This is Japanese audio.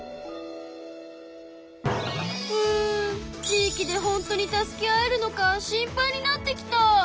地域で本当に助け合えるのか心配になってきた。